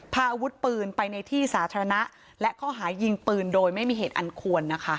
พาอาวุธปืนไปในที่สาธารณะและข้อหายิงปืนโดยไม่มีเหตุอันควรนะคะ